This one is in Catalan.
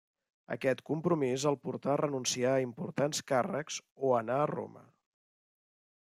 Aquest compromís el portà a renunciar a importants càrrecs o anar a Roma.